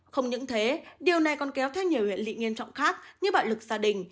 không những thế điều này còn kéo theo nhiều hiện lị nghiêm trọng khác như bạo lực gia đình